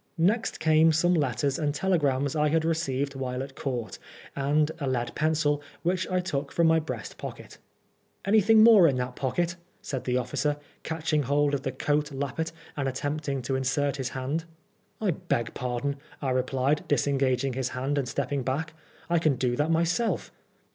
Next came some letters and telegrams I had received while in Court, and a lead pencil, which I took from my breast pocket. " Anything more in that pocket ?" said the officer, catching hold of the coat lappet, and attempting to in sert his hand. " I beg pardon," I replied, disengaging his hand and stepping back ;" I can do that myself.